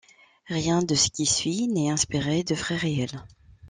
Rien de ce qui suit n’est inspiré de faits réels.